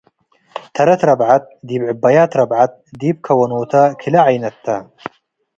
ተረት ረብዐት፣ ዲብ ዕበያት ረብዐት ዲብ ከወኖተ ክልኤ ዐይነት ተ ።